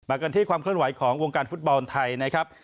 กันที่ความเคลื่อนไหวของวงการฟุตบอลไทยนะครับ